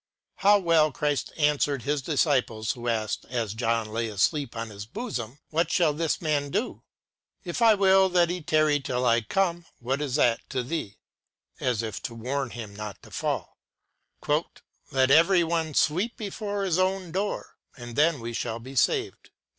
How well Christ answered His disciples who asked, as John lay asleep on His bosom, " What shall this man do ?"" If 1 will that he tarry till I come, what is that to thee ?" as if to warn him not to fall. " Let every one sweep before his own door, and then we shall be saved